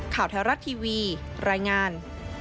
ข่าวแท้รัฐทีวีรายงาน